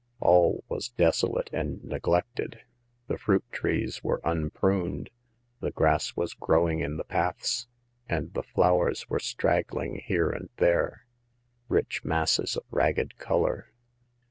All was des olate and neglected; the fruit trees were un pruned, the grass was growing in the paths, and the flowers were straggling here and there, rich masses of ragged color.